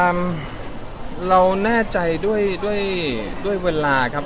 อ่าเราแน่ใจด้วยเวลาครับ